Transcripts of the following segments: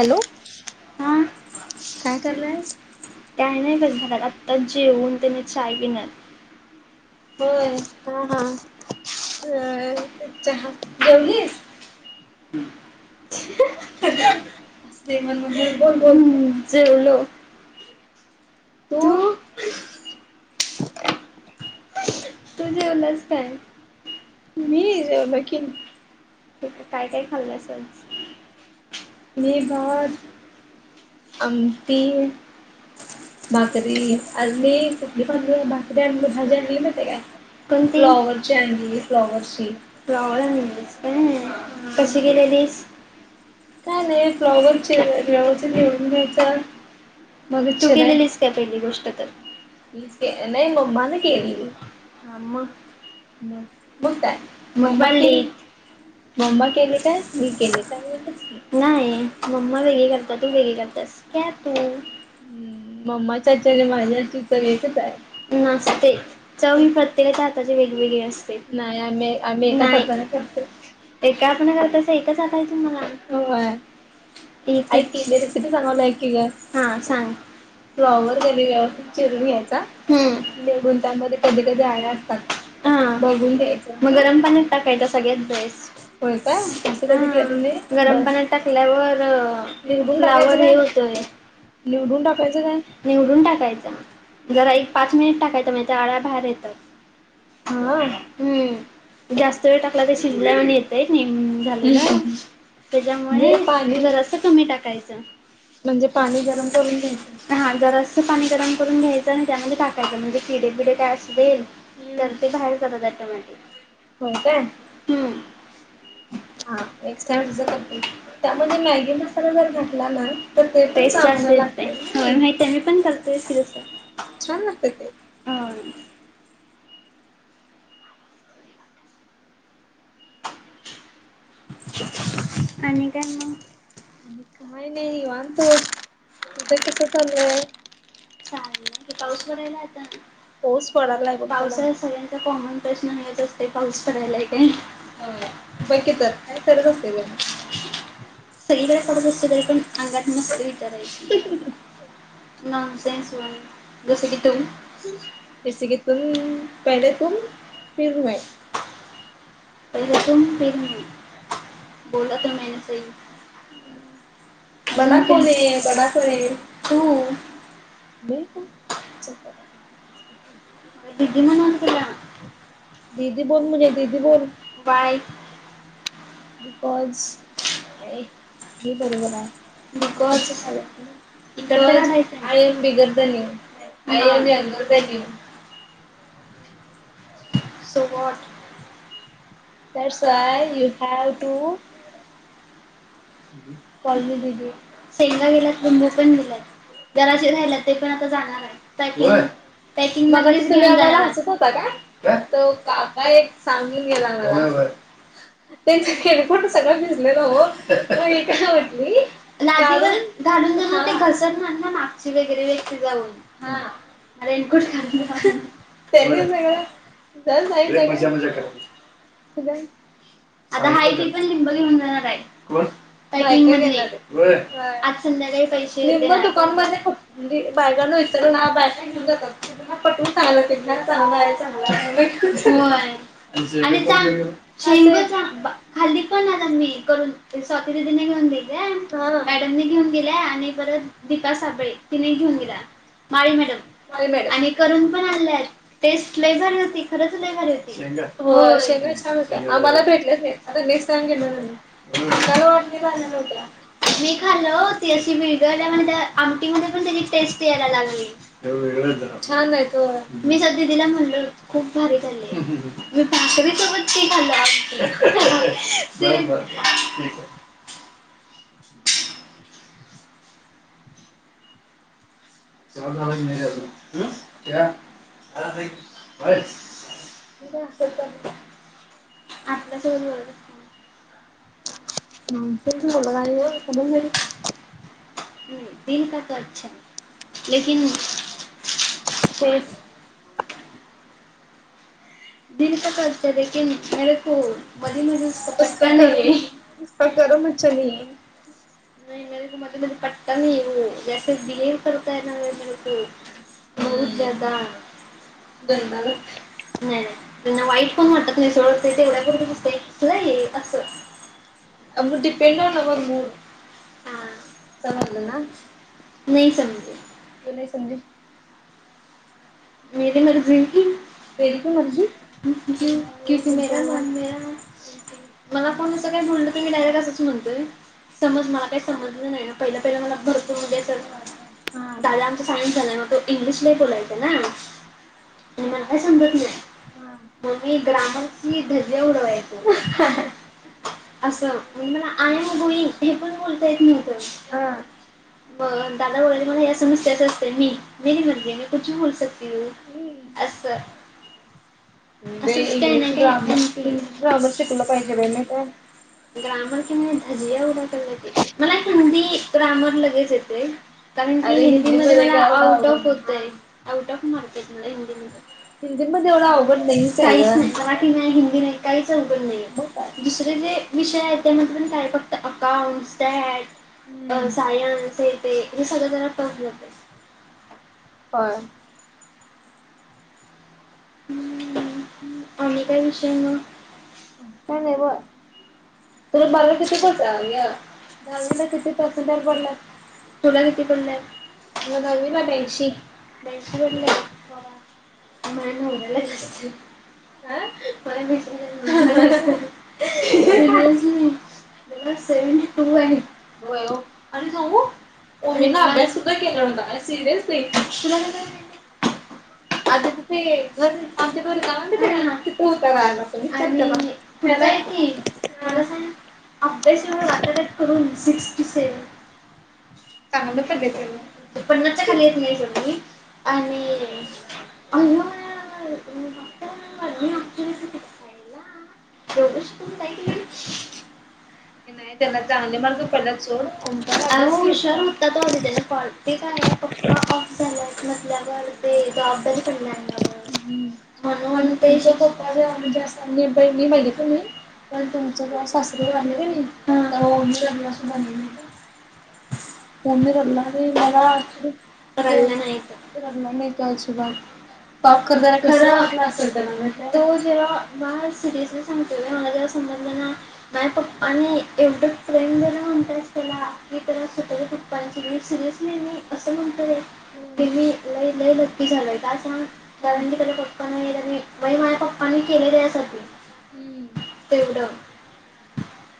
Hello काय कराल्यास? काही नाही बग झालं आत्ताच जेऊन त्येनी चाय पिणार. होय हा, हा. अ चहा जेवलीस? भुन भुन बोल, बोल जेवलो. तू. तू जेवल्यास काय? मी जेवलो की. ते तू काय काय खाल्ल्यासच? मी भात आमटी भाकरी आणि मी [unintelligible] आणलोय भाकरी आणलोय भाजी [unintelligible] कोणती फ्लॉवरची आणली फ्लॉवरची. फ्लॉवर आणलेलीस काय कशे गेलेलीस? काय नाही फ्लॉवरची व्यवस्थित घेऊन‌ यायचं. मग तू केलेलीस काय पहिली गोष्ट तर मीच के नाही मम्माने केली. हा मग मग मग काय. [unintelligible] नाही मम्मा वेगळी करतया तू वेगळी करतयास. [unintelligible] [unintelligible] नसते चव ही प्रत्येकाच्या हाताचे वेगवेगळे असते नाही आम्ही‌ आम्ही [unintelligible] नाही. एका हातानं घालतासा एकचं हात आहे तुम्हाला. ओ वय. ती एक हाय हा सांग. फ्लॉवर सगळी चिरुन घ्यायचा हम्म. [unintelligible] हा मग गरम पाणी टाकायचा सगळ्यात बेस्ट. व्हय काय [unintelligible] हां. गरम पाण्यात टाकल्यावर लिंबू लावायला हे होतय. निवडून टाकायचं काय? निवडून टाकायचा जरा एक पाच मिनिट टाकायचं म्हणजे आळ्या बाहेर येतात. [unintelligible] हम्म. जास्त वेळ टाकला तर शिजल्यांंवाणी येतय नीम झालेलं. त्याज्यामुळे पाणी जरासा कमी टाकायचं म्हणजे पाणी गरम करून घ्यायचं‌. हा जरासं पाणी गरम करून घ्यायचं आणि त्यामध्ये टाकायचं म्हणजे किडे पिडे काय असू दे ते तर बाहेर जात्यात ऑटोमॅटिक हो काय हम्म. [inaudible] हा [unintelligible] त्यामध्ये मॅगी मसाला पण घातला ना टेस्ट अशी येतय होय माहित हाय मी पण करतोय की तसं‌. छान लागतंय ते. आय आणि काय म? आणि काय नाही निवांत बस तुझं कसं चाललंय? चाललय [unintelligible] पडायला आता. पाऊस पडालाय पावसाळ्यात सगळ्यांचा कॉमन प्रश्न हेच असतोय पाऊस पडालाय काय? दे की तर काय करत असतेत बाई. सगळीकडे पडत असते बाई पण अंगात नुसतं विचारायची मग. [unintelligible] [unintelligible] [unintelligible] [unintelligible] [unintelligible] [unintelligible] [unintelligible] बिकॉज, ए हे बरोबर हाय. [unintelligible] [unintelligible] So what. दयां टस, आय युं ह्यांव टु शेंगा गेलांत दिल्यांत लिंबू पणं दिल्यांत जरासं राहिल्यांत ते पणं आंता जाणारं हांयेत, होयं पॅकिंग मधलंच घेऊंन जाणारं बाबां एक सांगून गेलां मलां होयं होयं त्यांचा केणं सगळं भिजलेलं हो लादीवरं घालूंन जाणारं ते घसणांर नां मागची वगैरें व्यक्ती जाऊंन. हां रेनं कोठ, त्यांचं सगळं होयं तरं कांहीं नाहीं, तूज्यांकडं आंता माहिती पणं मुंबई घेऊंन जाणारं आहेतं पॅकिंग मधली आंज संध्याकांळी पैसे देणारं आहे म्हणजे बायंका इतरं बायंका घेऊन जातांत ते पटवूंन सांगाय लागतंय घ्या चांगल आहे म्हणूंन होयं, आणि सांग नेमकं सांग खांली पणं आणणं मी करूंन. स्वाती दिदीने घेऊंन दील्यांत, मॅडमने घेऊंन दिल्यांत आणि परंत दीपा साबळे तिने घेऊंन दिल्यांत माळी मॅडम आणि करूंन पणं आणल्यांत तेचं टेस्टं लई भारी होती खरंच लई भारी होती. होयं, त्यांना सांग कि, आम्हांला भेटलंच नाहींतं आंता नेस्टं टाईम सांग येणारं आहे नां मी खांलो ती अशी विरगळ्यां म्हणत्यांत आमटीमध्यें पणं त्यांची टेस्टं यांयला लागली छांन आहे मी दीदीला म्हणलं खूंप भारी झालंय मी भाकरी सोबतं ते खांलय ठीक हांय च्यां झालां कि नाहीं अजूंन, च्यां हां आताचं झालां आतंन आलं ओरडतं आमचंच मुलंगा हांय यो. कदमंवाडीत हम्मं दिल कां तो अच्छा लेकिन दिलको तो अच्छा लेकिन मेरेको मध्यें मध्यें पटतां नाहीं है तुमचं करो मै चली नहीं मेरेको मध्यें मध्यें पटतां नाहीं है ओ जास्तं बिहेव करतां है ओ बहुंत बहुंत ज्यांदा डरनां मतं नाहीं नाहीं त्यांना वाईट पणं वाटतं नाहीं सोडं तेवढ्यांपुरते हुतंय नाहीं असं अजूंन किती कायं नूरमून हां समजलं, नाहीं समजलं तूं नाहीं समजी मेरी तसबीर की किसं ने मेरा नांम लियां. मलां कोणं असं कांहीं म्हणलं की मी डायरेक्ट असंच म्हणते. समजं मलां कांहीं समजलं नाहीं नां पहिलं पहिलं मलां भरपूंर मध्यें दादा आमंचा सायन्स झालां मंग तो इंग्लिश नाहीं बोलायचां नां. ते मलां नाहीं समजतं नाहीं मंग मी ग्रामंर की धज्यां उडवांयचो असं म्हणतं मलां आय यॅम गोईंग. हे पणं बोलतां येतं नव्हतं, हां. मं दादा बोलले मलां यां समस्यांच असते मी मेरी मर्जी मैं कुंछ भी बोलं सकतां ती हू असं. असंच काय नाय काही. [unintelligible] ग्रामर की मैं धजिया उड़ा कर देती थी. मला हिंदी ग्रामर लगेच येतय. कारण की हिंदीमध्ये मला आउट ऑफ होतय आउट ऑफ मार्क आहेत मला हिंदीमध्ये. ते पण तेवढ अवघड नाही काहीच नाही मराठी नाही हिंदी नाही काहीच अवघड नाहीये. दुसरे जे विषय आहेत त्यामध्ये पण काय फक्त अकाउंट्स, स्टॅट अ सायन्स हे ते हे सगळ जरा टफ जातय. होय. आणि काय विषय मग? काय नाई बुवा. [inaudible] तुला किती पडलेत? मला दहावीला ब्याऐंशी. ब्याऐंशी पडलेत, हो. मला नवर्‍यालाच. [unintelligible] [inaudible] तिला सेवनटी टू अँड, होय ओ खाली जाऊ? आणि [unintelligible] वेळेस सुद्धा गेला नव्हता अरे सिरियसली. तुला कसं माहिती? [inaudible] आधी किती घर आमचे घरी [unintelligible] चिपळूण च्या मॅडम होत्या [unintelligible] पुढे जाय की. मला सांग अभ्यासस एवढा [unintelligible] करून सिक्स्टी सेव्हन. चांगलं चालल सगळ. पन्नास च्या खाली येत नाही सोड मी आणि आयो तुम्ही बघताय [unintelligible] योगेश तरी काय [inaudible] त्याचा चांगल [unintelligible] सोड, आणि हुशार होता तो आधी त्याच्या काॅलेज ते काय पप्पा ऑफ झाले आहेत म्हंटल्यावर ते जबाबदारी पडणार ना [inaudible] परवा सासरे वारले क नई तर ओढणीला [unintelligible] शी बांधलेली. म्हणजे लग्नात. [unintelligible] रडला नाही का? पाप करणारे खर असणार [unintelligible] खरं तो जेव्हा बाळ श्री कृष्ण सांगतो ग मला जेव्हा समजलं ना माहे पप्पानी एवढं प्रेम दिलं म्हणत्यास त्याला मी तर [unintelligible] बाई तीगली सिरयसली मी असं म्हणते की मी लय लय लकी झाले का सांग कारण की कधी पप्पाने कधी मही माझ्या पप्पाने केलय त्यासाठी. तेवढं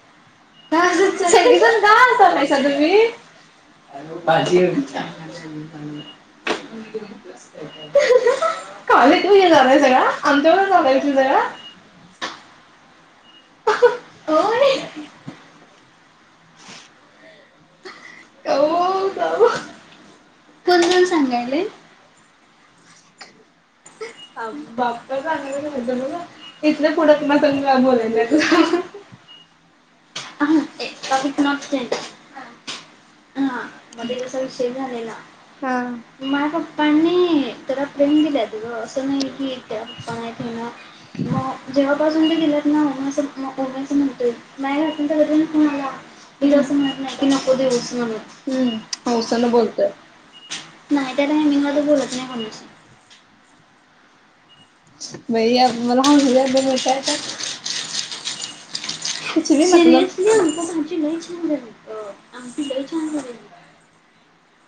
[inaudible] [inaudible] [inaudible] होय. काऊ काऊस फोन लावून सांगायलोय [unintelligible] हा बाप्पा चांगलंच येत्यात तुम्हाला इथनं पुढ तु माझ्यासंग नाय बोलायचं. आ हा एकावीस नॉट सेल हा मधी कसा विषय झालेला हा. माझ्या पप्पानी त्याला प्रेम दिल्यात ग असं नाही की त्याला पप्पा नाहीेत म्हणून मग जेव्हापासून ते गेल्यात ना मी स्वप्न पाहतोय अस म्हणतोय नाही नाही आणि त्याला पण फोन आला कि तो अस म्हणत नाही की नको धरूस म्हणून हम्म हौसन बोलतेत. नाही त्यातर नाय मी मध्ये बोलत नाही कोणाशी. बाई अजून मला हसूच यालय माहितीय काय. सिरियसली आमच्यात आमची लय छान होतं आमची लय छान हो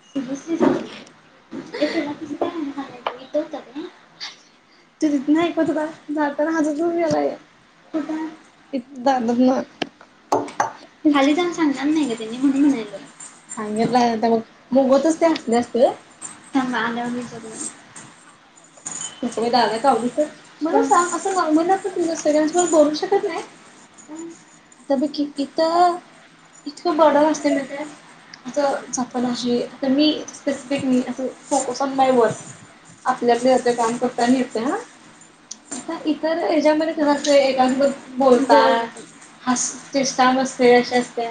सिरियसली [unintelligible] त्यो हिथंन ऐकत काय जाताना हसतच गेलाय कु [unintelligible] इथनं जाताना [unintelligible] ते मी म्हणून राहीलो. काय नाही बाळा दवाखाना बघत असत्या म्हंटल असत्या ग. ह्या मानवजीच्यातले तुमचं काय दादा कावलीत काय मला सांग असं नॉर्मली तुमच्यात अस सगळ्यांसोबत बोलू शकत नाही. आता बघ कि इथं इथं बर्डन असतय माहिती आहे असं जात ना हे आता मी स्पेसिफिक मी अस फोकस ऑन माय वर्क. आपले आपले जातोय काम करतोय आणि येतोय हा. आता इतर ह्याच्यामध्ये कस असतंय एखादी गोष्ट बोलतात. हसू, चेष्टा, मस्करी अशी असत्या.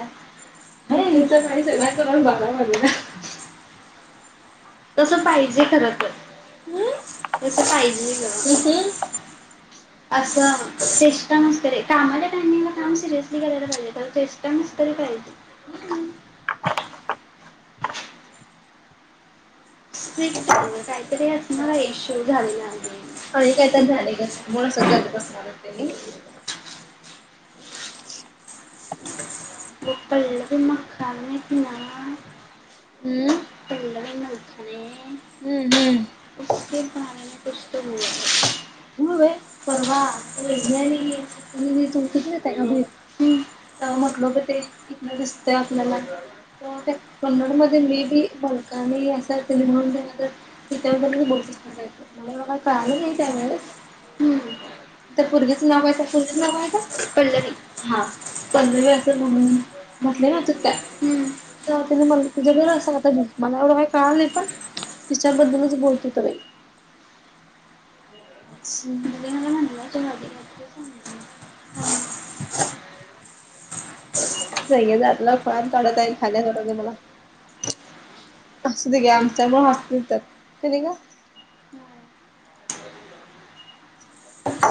नाही इथं नाही सगळ्यांच्या घरात बघायला लागल्यात. तस पाहिजे खर तर हम्म तस पाहिजे गं हम्म हम्म. असं चेष्टा मस्करी कामाच्या टायमिंगला काम सिरियसली करायला पाहिजे खरं चे चेष्टा मस्करी पाहिजे. असतोय एकेकाचा काहीतरी असणार इश्यू झालेला वगैरे आणि काय तर झालंय गं मग शांत बसणार आहेत त्यांनी. ते पहिलं ते मखाने आहेत ना. पहिलं ते मखाणे हम्म. हम्म [unintelligible] मम्मा ती वहिनी आहे कणी [unintelligible] तवा म्हंटलो बघ ते इथनं दिसतय आपल्याला [unintelligible] आणि आता सिनेमा [unintelligible] हम्म त्या पोरगीच नाव काय होतं पल्लवी हा. पल्लवी अस त म्हणून म्हंटली नाहीस काय [unintelligible] तिच्याबद्दलच बोलत होता बाई. हम् [unintelligible] हां. सगळेजण आतला फॅन काढत आहेत खाली हाका मारत आहेत मला. असूदे घ्या आमच्यामुळे हसतील तर होय नी गं ह.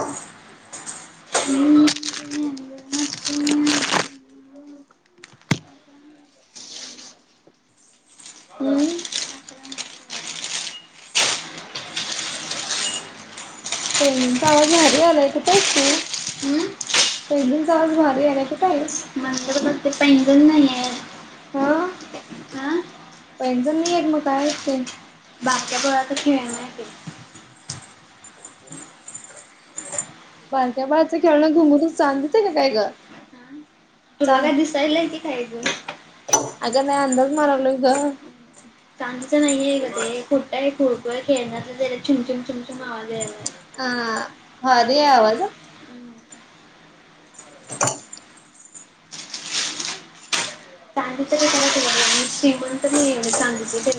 हम्म. [unintelligible] हम्. चिमण्यांचा आवाज भारी यायलाय कुठ आहेस तू? कोल्ड्रिंग चा आवाज भारी यायलाय. कुठ आहेस? ते पंजन मलाय. हा. पैजण नाही मग काय आहे ते. [unintelligible] बारक्या बाळाच खेळण घुंगरू चांदीच आहे काय गं. अगं नाही. अगं मी अंदाज मारलोय गं. [unintelligible] चांदीच नाही आहे ग ते. खोटं आहे खुळखुळ आहे खेळण्यातल तेज चूमचुम चूमचुम आवाज यायलाय. ह हा भारी आहे आवाज. [unintelligible] चांदीच काय केलं. श्रीमंत नाही चांदीचे करायला.